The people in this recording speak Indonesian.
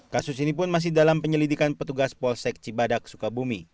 kasus ini pun masih dalam penyelidikan petugas polsek cibadak sukabumi